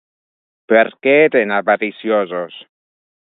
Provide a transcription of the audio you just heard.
Per què eren avariciosos?